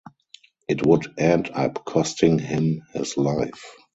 It would end up costing him his life.